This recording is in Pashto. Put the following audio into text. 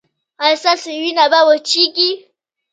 ایا ستاسو وینه به وچیږي؟